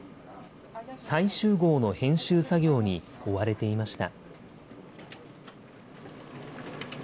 最終号の編集作業に追われていました。